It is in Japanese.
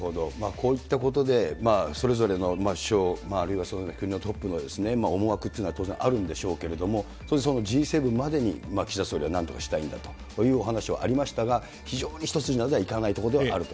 こういったことで、それぞれの首相、あるいは、その国のトップの思惑というのは当然あるんでしょうけれども、そしてそのＧ７までに、岸田総理はなんとかしたいんだというお話はありましたが、非常に一筋縄ではいかないところではあると。